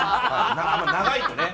長いとね。